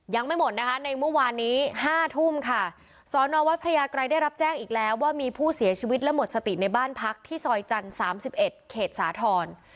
ยังไม่หมดนะคะในเมื่อวานนี้ห้าทุ่มค่ะสอนอวัดพระยากรัยได้รับแจ้งอีกแล้วว่ามีผู้เสียชีวิตและหมดสติในบ้านพักที่ซอยจันทร์๓๑เขตสาธรณ์